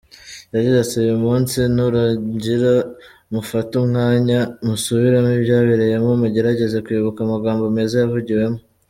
Yagize ati “Uyu munsi nurangira, mufate umwanya musubiremo ibyabereyemo, mugerageze kwibuka amagambo meza yavugiwemo.